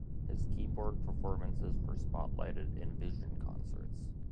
His keyboard performances were spotlighted in Vision concerts.